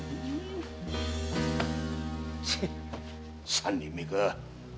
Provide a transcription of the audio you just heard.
三人目か。